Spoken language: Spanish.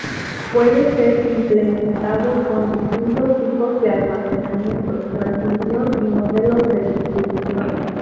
Puede ser implementado con distintos tipos de almacenamiento, transmisión y modelos de distribución.